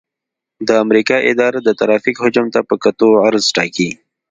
د امریکا اداره د ترافیک حجم ته په کتو عرض ټاکي